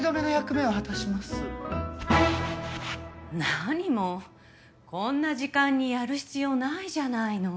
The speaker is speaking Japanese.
何もこんな時間にやる必要ないじゃないの。